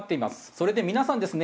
それで皆さんですね